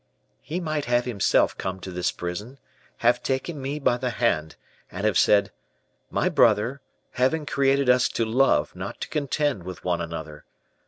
"He might have himself come to this prison, have taken me by the hand, and have said, 'My brother, Heaven created us to love, not to contend with one another.